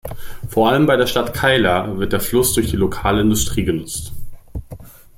Vor allem bei der Stadt Keila wird der Fluss durch die lokale Industrie genutzt.